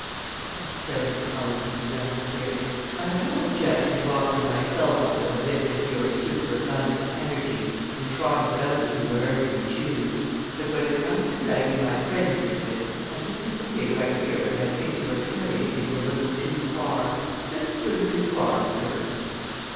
"My friend Cullen," he remonstrated, "I have no objection to offering myself up as a victim to your super abundant energy and trotting about with you wherever you choose; but when it comes to dragging my friends into it, I just want to say right here that I think you are carrying things a little too far just a little too far, sir."